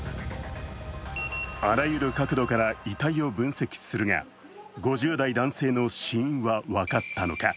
あらゆる角度から遺体を分析するが５０代男性の死因は分かったのか。